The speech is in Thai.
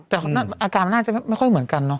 แต่อาการมันน่าจะไม่ค่อยเหมือนกันเนาะ